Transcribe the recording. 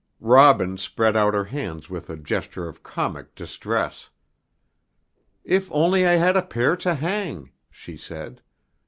Robin spread out her hands with a gesture of comic distress. "If only I had a pair to hang!" she said.